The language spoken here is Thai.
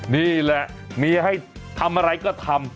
นี่แหละเมียให้ทำอะไรก็ทำ